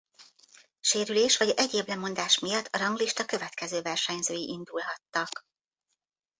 Sérülés vagy egyéb lemondás miatt a ranglista következő versenyzői indulhattak.